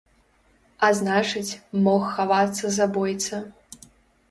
А значыць, мог хавацца забойца.